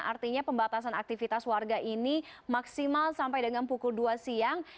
artinya pembatasan aktivitas warga ini maksimal sampai dengan pukul dua siang